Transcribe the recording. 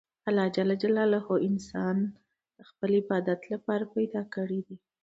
الله جل جلاله انسان د خپل عبادت له پاره پیدا کړى دئ.